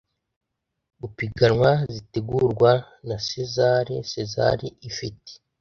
gupiganwa zitegurwa na sezar sezar ifite